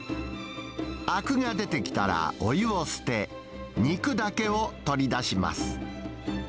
あくが出てきたらお湯を捨て、肉だけを取り出します。